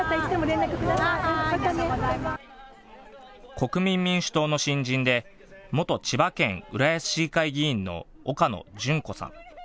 国民民主党の新人で元千葉県浦安市議会議員の岡野純子さん。